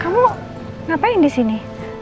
kamu ngapain di sini